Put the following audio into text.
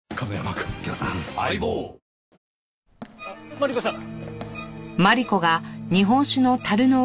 マリコさん！